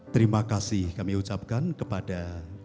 terima kasih kami ucapkan kepada